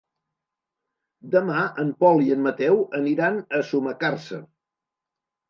Demà en Pol i en Mateu aniran a Sumacàrcer.